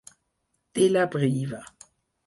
De la briva.